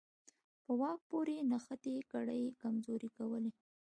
په واک پورې نښتې کړۍ یې کمزورې کولې.